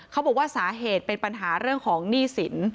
เขาบอกว่าสาเหตุเป็นปัญหาเรื่องของหนี้สิน